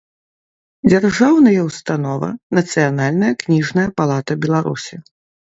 Дзяржаўная ўстанова «Нацыянальная кнiжная палата Беларусi»